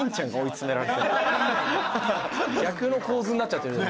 逆の構図になっちゃってる。